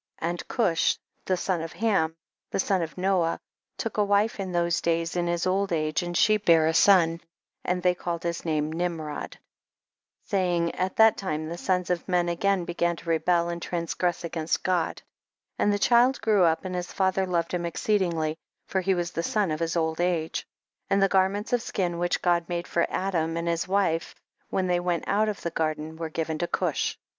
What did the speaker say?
23. And Cush the son of Ham, the son of Noah, took a wife in those days, in his old age, and she bare a son, and they called his name Nimrod, saying, at that time the sons of men again began to rebel and transgress against God, and the child grew up, and his father loved him exceedingly, for he was the son of his old age. 24. And the garments of skin which God made for Adam and his wife, when they went out of the garden, were given to Cush.